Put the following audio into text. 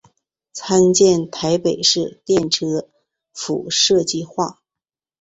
参见台北市电车敷设计画。